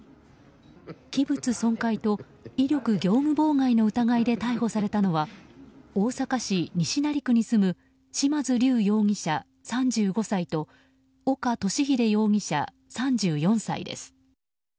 器物損壊と威力業務妨害の疑いで逮捕されたのは大阪市西成区に住む嶋津龍容疑者、３５歳と岡敏秀容疑者、３４歳です。